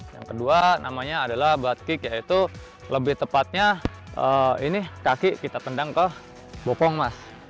yang kedua namanya adalah batik yaitu lebih tepatnya ini kaki kita tendang ke bopong mas